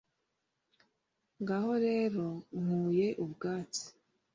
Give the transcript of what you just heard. Ngaho rero nkuye ubwatsi